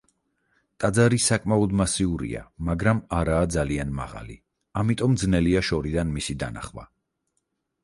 ტაძარი საკმაოდ მასიურია, მაგრამ არაა ძალიან მაღალი, ამიტომ ძნელია შორიდან მისი დანახვა.